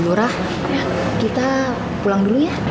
bu nurah kita pulang dulu ya